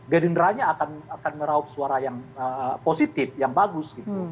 gerindranya akan meraup suara yang positif yang bagus gitu